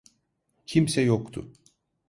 Kimse yoktu…